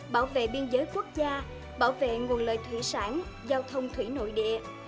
bảo vệ biên giới quốc gia bảo vệ nguồn lợi thủy sản giao thông thủy nội địa